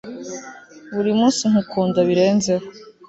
buri munsi nkukunda birenzeho